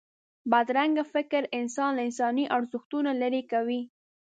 بدرنګه فکر انسان له انساني ارزښتونو لرې کوي